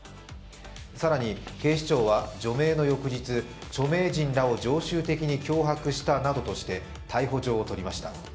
更に、警視庁は除名の翌日、著名人らを常習的に脅迫したなどとして逮捕状を取りました。